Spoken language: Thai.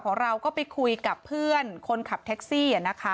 ของเราก็ไปคุยกับเพื่อนคนขับแท็กซี่นะคะ